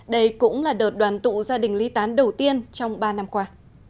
đây cũng là đợt đoàn tụ gia đình ly tán đầu tiên trong ba năm qua